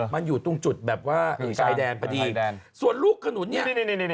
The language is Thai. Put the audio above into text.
มันอยู่ตรงจุดแบบว่าชายแดนพอดีส่วนลูกขนุนเนี่ย